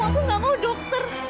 aku nggak mau dokter